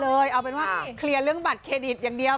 เอาเป็นว่าเคลียร์เรื่องบัตรเครดิตอย่างเดียว